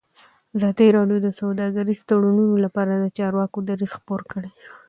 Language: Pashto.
ازادي راډیو د سوداګریز تړونونه لپاره د چارواکو دریځ خپور کړی.